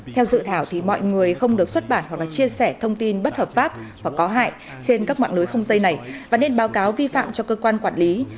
theo dự thảo thì mọi người không được xuất bản hoặc chia sẻ thông tin bất hợp pháp hoặc có hại trên các mạng lưới không dây này và nên báo cáo vi phạm cho cơ quan quản lý